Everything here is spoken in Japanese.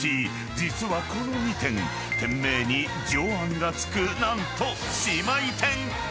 ［実はこの２店店名にジョアンが付く何と姉妹店！］